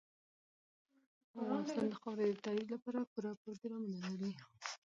افغانستان د خاورې د ترویج لپاره پوره پروګرامونه لري.